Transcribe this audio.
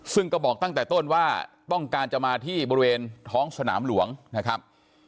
ซึ่งก็บอกตั้งแต่ต้นว่าต้องการจะมาที่บริเวณท้องสนามหลวงนะครับ